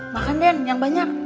makan den yang banyak